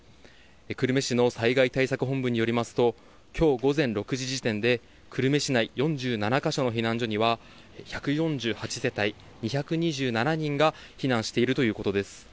久留米市の災害対策本部によりますと、きょう午前６時時点で、久留米市内４７カ所の避難所には１４８世帯２２７人が避難しているということです。